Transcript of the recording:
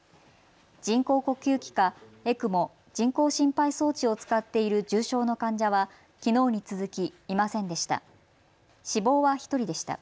人工呼吸器かＥＣＭＯ・人工心肺装置を使っている重症の患者はきのうに続きいませんでした。